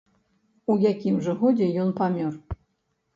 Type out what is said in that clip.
У якім жа годзе ён памёр.